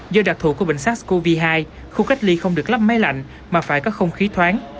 do đặc thủ của bệnh sắc covid hai khu cách ly không được lắp máy lạnh mà phải có không khí thoáng